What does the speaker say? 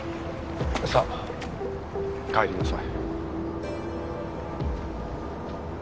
さあ帰りなさい